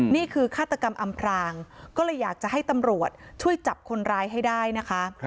ฆาตกรรมอำพรางก็เลยอยากจะให้ตำรวจช่วยจับคนร้ายให้ได้นะคะ